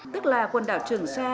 tức là quần đảo trường sa